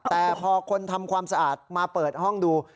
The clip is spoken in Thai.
แต่พอคนทำความสะอาดมาเปิดห้องดู